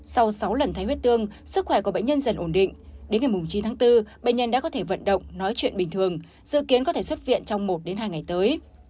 sau sáu lần thấy huyết tương sức khỏe của bệnh nhân dần ổn định đến ngày chín tháng bốn bệnh nhân đã có thể vận động nói chuyện bình thường dự kiến có thể xuất viện trong một hai ngày tới